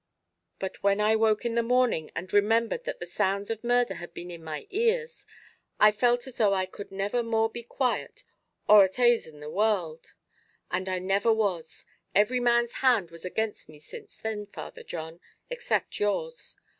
But when I woke in the morning and remembered that the sounds of murther had been in my ears, I felt as though I could never more be quiet or at ase in this world. And I never was; every man's hand was against me since then, Father John, except yours.